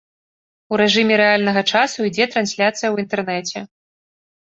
У рэжыме рэальнага часу ідзе трансляцыя ў інтэрнэце.